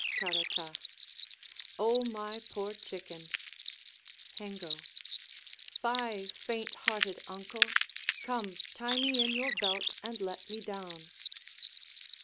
Caratach O my poor chicken! Hengo Fie, faint hearted uncle! Come, tie me in your belt and let me down.